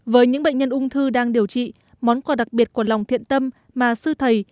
với những bệnh nhân ung thư đang điều trị món quà đặc biệt của lòng thiện tâm mà sư thầy